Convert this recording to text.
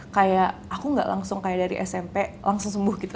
kayak aku gak langsung kayak dari smp langsung sembuh gitu